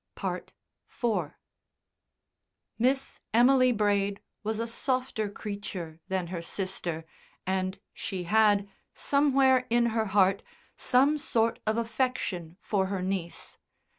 IV Miss Emily Braid was a softer creature than her sister, and she had, somewhere in her heart, some sort of affection for her niece.